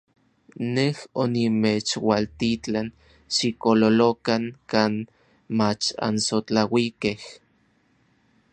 Nej onimechualtitlan xikololokan kan mach ansotlauikej.